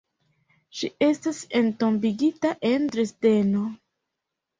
Ŝi estas entombigita en Dresdeno.